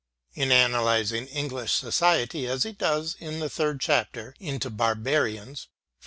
In analysing English society, as he does in the third chapter, into Barbarians (i.e.